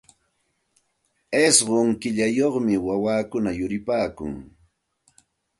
Ishqun killayuqmi wawakuna yuripaakun.